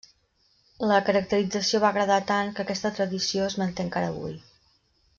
La caracterització va agradar tant que aquesta tradició es manté encara avui.